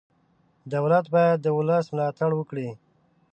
دولت باید د ولس ملاتړ وکړي.